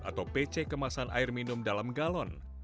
atau pc kemasan air minum dalam galon